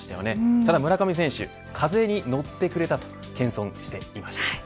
ただ村上選手、風に乗ってくれたと謙遜していました。